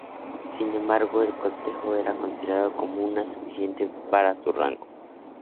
Sin embargo el cortejo era el considerado como el suficiente para su rango.